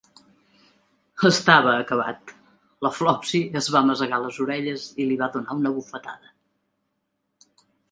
Estava acabat. La Flopsy es va masegar les orelles i li va donar una bufetada.